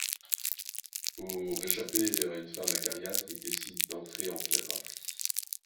Pour échapper à une femme acariâtre, il décide d'entrer en piraterie.